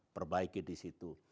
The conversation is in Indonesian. perbaiki di situ